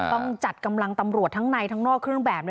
ต้องจัดกำลังตำรวจทั้งในทั้งนอกเครื่องแบบ